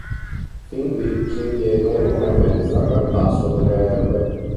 Fin qui s'impiega un'ora e mezza dal passo delle Erbe.